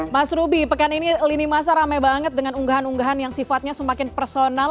mas ruby pekan ini lini masa rame banget dengan unggahan unggahan yang sifatnya semakin personal